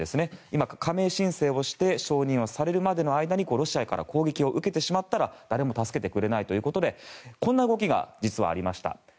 今、加盟申請をして承認をされるまでの間にロシアから攻撃を受けてしまったら誰も助けてくれないということでこんな動きが実はありました。